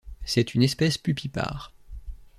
C'est une espèce pupipare.